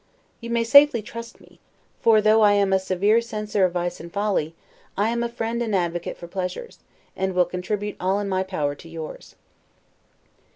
You may safely trust me; for though I am a severe censor of vice and folly, I am a friend and advocate for pleasures, and will contribute all in my power to yours.